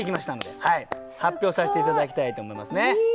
すごい！発表させて頂きたいと思いますね。